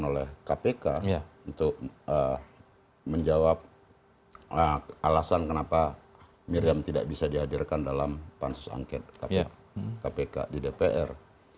pertama kita dianggap sebagai paksa yang dihadirkan oleh kpk untuk menjawab alasan kenapa miriam tidak bisa dihadirkan dalam pansus angket kpk di dpr